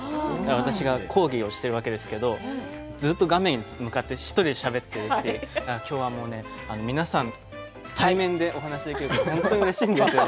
私が講義をしているわけですけれどもずっと画面に向かって１人でしゃべっているというきょうは皆さん、対面でお話できるので本当にうれしいですね